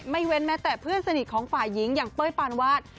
เว้นแม้แต่เพื่อนสนิทของฝ่ายหญิงอย่างเป้ยปานวาด